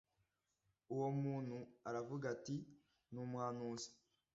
Uwo muntu aravuga ati “ni umuhanuzi”